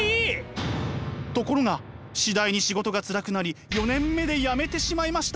ところが次第に仕事がつらくなり４年目で辞めてしまいました。